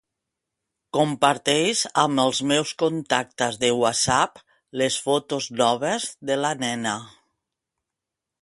Comparteix amb els meus contactes de Whatsapp les fotos noves de la nena.